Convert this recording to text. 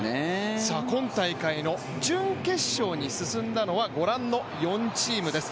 今大会の準決勝に進んだのはご御覧の４チームです。